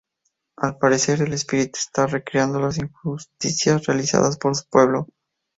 Al parecer, el espíritu está recreando las injusticias realizadas con su pueblo.